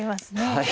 はい。